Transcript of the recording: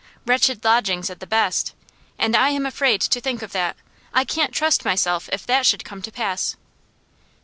Wretched lodgings at the best. And I am afraid to think of that. I can't trust myself if that should come to pass.